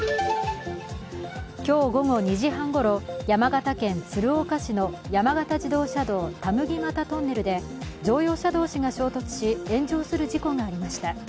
今日午後２時半ごろ、山形県鶴岡市の山形自動車道・田麦俣トンネルで乗用車同士が衝突し、炎上する事故がありました。